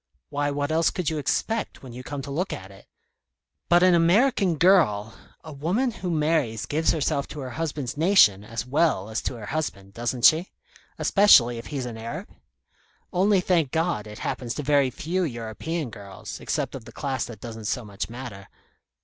Why, what else could you expect, when you come to look at it?" "But an American girl " "A woman who marries gives herself to her husband's nation as well as to her husband, doesn't she especially if he's an Arab? Only, thank God, it happens to very few European girls, except of the class that doesn't so much matter.